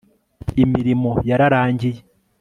Imirimo yararangiye